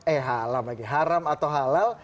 eh halal lagi haram atau halal